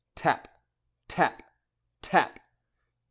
Tap! Tap! Tap!